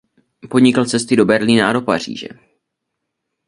Podnikl cesty do Berlína a do Paříže.